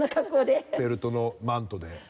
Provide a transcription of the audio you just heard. フェルトのマントで。